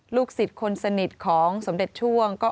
ลูกศิษย์คนสนิทของสมเด็จช่วงก็